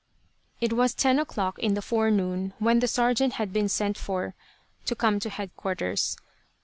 It was ten o'clock in the forenoon when the sergeant had been sent for to come to headquarters.